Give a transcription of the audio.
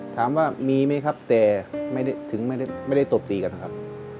ถามว่ามีไหมครับแต่ถึงไม่ได้ตบตีกันนะครับ